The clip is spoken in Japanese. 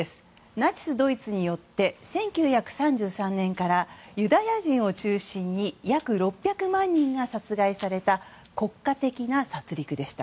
ナチス・ドイツによって１９３３年からユダヤ人を中心に約６００万人が殺害された国家的な殺戮でした。